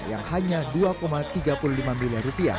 yang hanya rp dua tiga puluh lima miliar